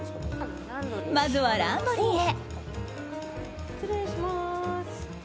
まずはランドリーへ。